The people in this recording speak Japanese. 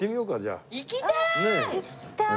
行きたい！